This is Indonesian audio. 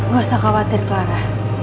gak usah khawatir clara